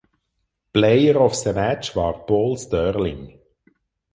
Player of the Match war Paul Stirling.